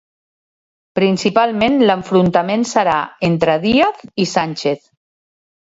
Principalment l'enfrontament serà entre Díaz i Sánchez.